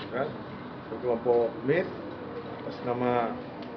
kelompok met atas nama jumri alias